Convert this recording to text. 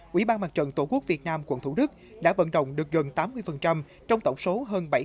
quỹ ban mặt trận tổ quốc việt nam quận thủ đức đã vận động được gần tám mươi trong tổng số hơn bảy